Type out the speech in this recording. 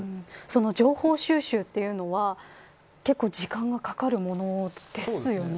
その情報収集というのは結構時間がかかるものですよね。